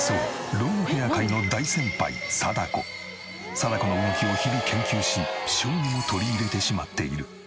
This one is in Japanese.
貞子の動きを日々研究しショーにも取り入れてしまっている。